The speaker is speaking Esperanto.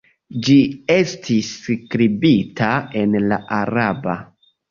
Ĝi estis skribita en la araba.